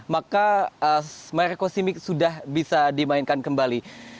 maka marco simic sudah bisa dimainkan kembali